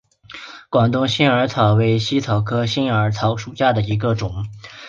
广东新耳草为茜草科新耳草属下的一个种。